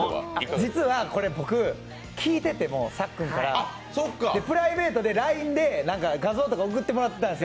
実は僕、さっくんから聞いててプライベートでＬＩＮＥで画像とか送ってもらってたんです。